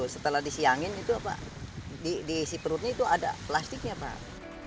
setelah disiangin itu apa diisi perutnya itu ada plastiknya pak